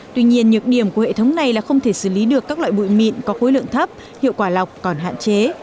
tuy nhiên nhược điểm của hệ thống này là không thể xử lý được các loại bụi mịn có khối lượng thấp hiệu quả lọc còn hạn chế